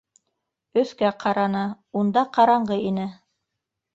Өҫкә ҡараны —унда ҡараңғы ине.